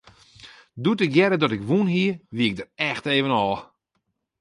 Doe't ik hearde dat ik wûn hie, wie ik der echt even ôf.